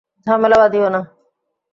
ঝামেলা বাধিও না।